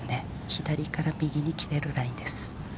左から右に切れるラインです。